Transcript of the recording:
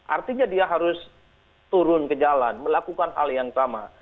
artinya dia harus turun ke jalan melakukan hal yang sama